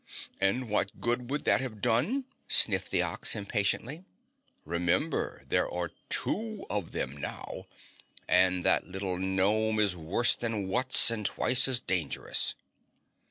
"And what good would that have done?" sniffed the Ox impatiently. "Remember there are two of them now, and that little gnome is worse than Wutz and twice as dangerous."